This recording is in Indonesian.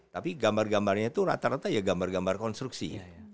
tapi gambar gambarnya itu rata rata ya gambar gambar konstruksi